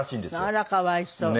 あらかわいそう。